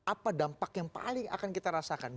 apa dampak yang paling akan kita rasakan